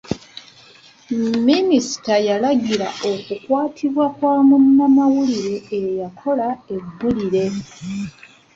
Minisita yalagira okukwatibwa kwa munnamawulire eyakola eggulire.